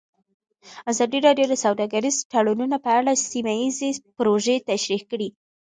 ازادي راډیو د سوداګریز تړونونه په اړه سیمه ییزې پروژې تشریح کړې.